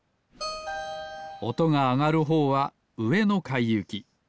おとがあがるほうはうえのかいゆき。